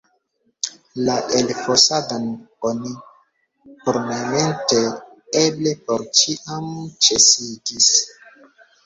La elfosadon oni pormomente, eble por ĉiam, ĉesigis.